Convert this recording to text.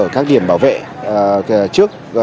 các điểm bảo vệ trước